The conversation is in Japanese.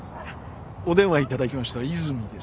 お電話いただきました泉です。